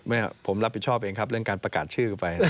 ไม่ผมรับผิดชอบเองครับเรื่องการประกาศชื่อไป